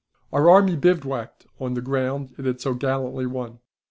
Our army bivouacked on the ground it had so gallantly won.